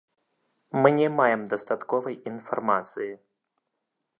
Мы не маем дастатковай інфармацыі.